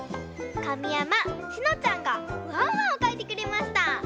かみやましのちゃんがワンワンをかいてくれました！